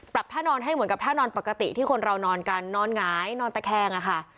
ท่านอนให้เหมือนกับท่านอนปกติที่คนเรานอนกันนอนหงายนอนตะแคงอะค่ะ